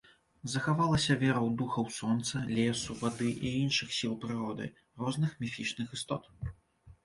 Захавалася вера ў духаў сонца, лесу, вады і іншых сіл прыроды, розных міфічных істот.